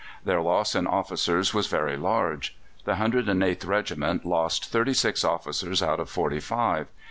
Their loss in officers was very large. The 108th Regiment lost thirty six officers out of forty five.